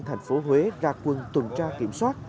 thành phố huế ra quân tuần tra kiểm soát